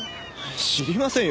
知りませんよ。